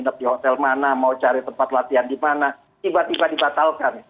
tetap di hotel mana mau cari tempat latihan di mana tiba tiba dibatalkan